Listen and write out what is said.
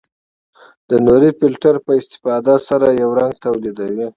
د نوري فلټر نه په استفادې سره یو رنګ تولیدوي.